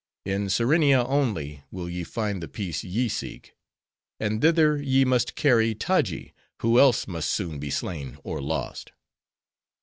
In Serenia only, will ye find the peace ye seek; and thither ye must carry Taji, who else must soon be slain, or lost.